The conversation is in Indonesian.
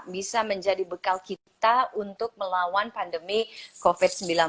bisa menjadi bekal kita untuk melawan pandemi covid sembilan belas